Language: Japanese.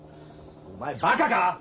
お前バカか？